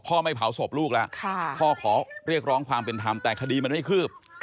ไม่เผาศพลูกแล้วพ่อขอเรียกร้องความเป็นธรรมแต่คดีมันไม่คืบ